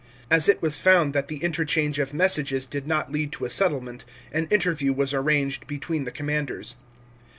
As it was found that the interchange of messages did not lead to a settlement, an interview was arranged between the commanders.